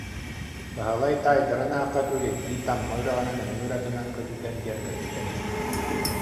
Баһылай таайдарын аахха күүлэйдии Тамма үрэҕинэн ыҥыыр атынан көтүтэн, дьэргэлдьитэн испит